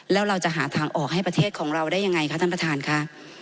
แล้วเราจะหาทางออกให้ประเทศของเราได้ยังไงคะท่านประธานค่ะ